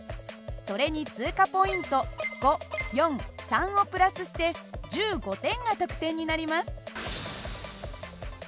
それに通過ポイント５４３をプラスして１５点が得点になります。